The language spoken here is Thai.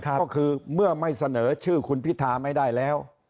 ก็คือเมื่อไม่เสนอชื่อคุณพิธาไม่ได้แล้ว